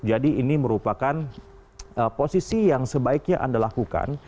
jadi ini merupakan posisi yang sebaiknya anda lakukan